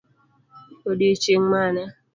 Odiochieng' mane?